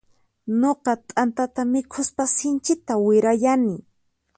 Nuqa t'antata mikhuspa sinchita wirayani.